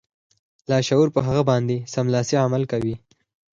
لاشعور په هغه باندې سملاسي عمل کوي